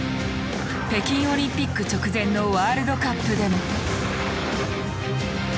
北京オリンピック直前のワールドカップでも。